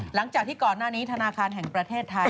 หลังจากที่ก่อนหน้านี้ธนาคารแห่งประเทศไทย